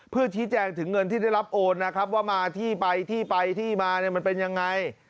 เพื่อชี้แจงถึงเงินที่ได้รับโอนนะครับว่ามาที่ไปที่ไปที่มาเนี่ยมันเป็นยังไง